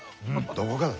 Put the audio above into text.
どこかだ。